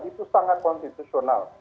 itu sangat konstitusional